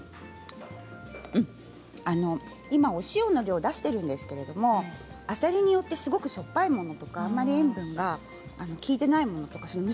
うん、今、お塩の量を出しているんですがあさりによってはすごくしょっぱいものとかあまり塩分が利いていないものがあります。